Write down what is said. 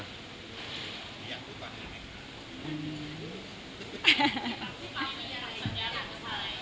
อยากพูดตอนนี้ไหม